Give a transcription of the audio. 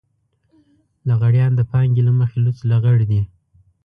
لغړيان د پانګې له مخې لوڅ لغړ دي.